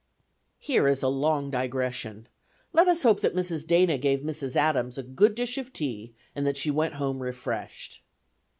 Here is a long digression; let us hope that Mrs. Dana gave Mrs. Adams a good dish of tea and that she went home refreshed.